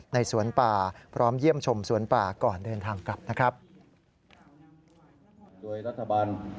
ในสวนป่าพร้อมเยี่ยมชมสวนป่าก่อนเดินทางกลับนะครับ